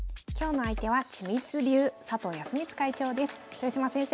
豊島先生